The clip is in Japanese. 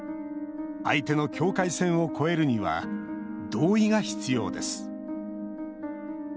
相手の境界線を越えるには同意が必要です。